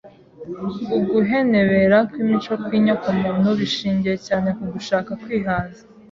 Uguhenebera kw’imico n’ukw’inyokomuntu bishingiye cyane ku gushaka kwihaza